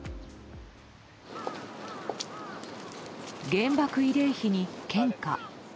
原爆慰霊碑に献花。